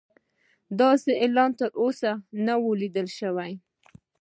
داسې اعلان تر اوسه نه و لیدل شوی.